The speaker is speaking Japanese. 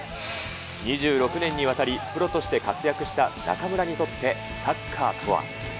２６年にわたり、プロとして活躍した中村にとってサッカーとは。